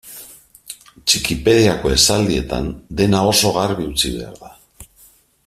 Txikipediako esaldietan dena oso argi utzi behar da.